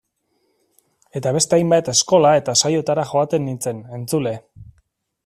Eta beste hainbat eskola eta saiotara joaten nintzen, entzule.